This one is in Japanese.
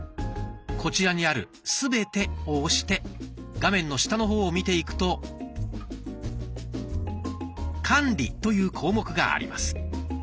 こちらにある「すべて」を押して画面の下の方を見ていくと「管理」という項目があります。